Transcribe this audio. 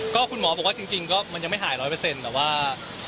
ก็คุณหมอบอกว่าจริงก็มันยังไม่หาย๑๐๐แต่ว่า